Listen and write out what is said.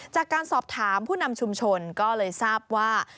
จากการสอบถามผู้นำชุมชนก็เลยทราบว่า